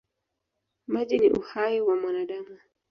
Maji ni uhai wa mwanadamu.